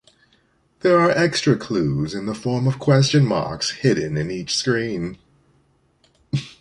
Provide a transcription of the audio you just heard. There are extra clues in the form of question marks hidden in each screen.